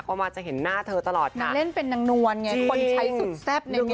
ว่ามาจะเห็นหน้าเธอตลอดค่ะนางเล่นเป็นนางนวลไงคนใช้สุดแซ่บในเมียหลวงไง